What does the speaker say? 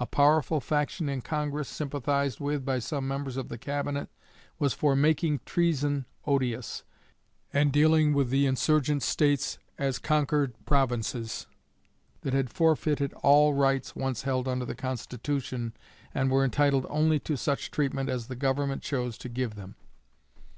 A powerful faction in Congress, sympathized with by some members of the Cabinet, was for "making treason odious" and dealing with the insurgent States as conquered provinces that had forfeited all rights once held under the Constitution and were entitled only to such treatment as the Government chose to give them.